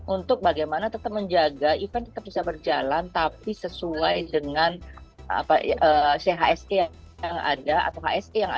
untuk bagaimana tetap menjaga event itu bisa berjalan tapi sesuai dengan chsk yang ada